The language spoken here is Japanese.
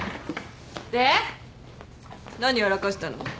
で何やらかしたの？